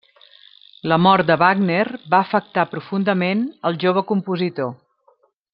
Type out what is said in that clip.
La mort de Wagner va afectar profundament el jove compositor.